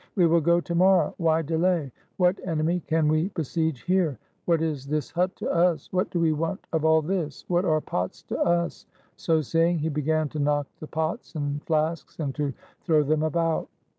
"We will go to morrow! Why delay? What enemy can we besiege here? What is this hut to us? What do we want of all this? What are pots to us?" So saying, he began to knock the pots and flasks, and to throw them about.